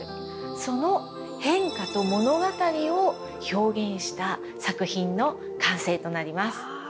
その変化と物語を表現した作品の完成となります。